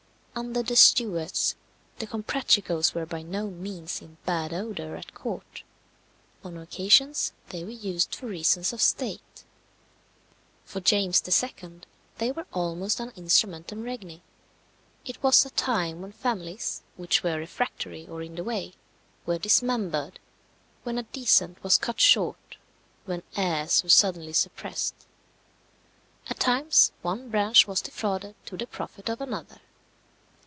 Under the Stuarts, the Comprachicos were by no means in bad odour at court. On occasions they were used for reasons of state. For James II. they were almost an instrumentum regni. It was a time when families, which were refractory or in the way, were dismembered; when a descent was cut short; when heirs were suddenly suppressed. At times one branch was defrauded to the profit of another.